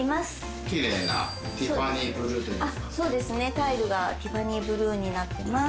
タイルがティファニーブルーになってます。